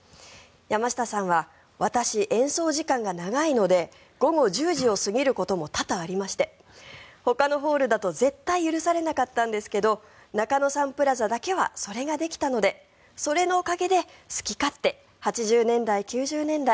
山下さんは私、演奏時間が長いので午後１０時を過ぎることも多々ありましてほかのホールだと絶対許されなかったんですけど中野サンプラザだけはそれができたのでそれのおかげで、好き勝手８０年代、９０年代